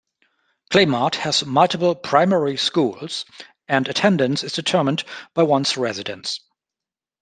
Clamart has multiple primary schools, and attendance is determined by one's residence.